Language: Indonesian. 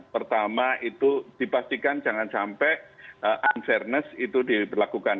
pertama itu dipastikan jangan sampai unfairness itu diberlakukan